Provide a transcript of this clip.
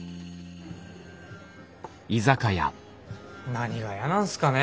何が嫌なんすかね？